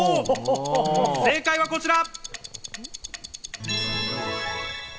正解はこちら！